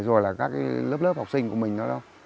rồi là các lớp lớp học sinh của mình nó